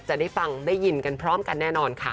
จะได้ฟังได้ยินกันพร้อมกันแน่นอนค่ะ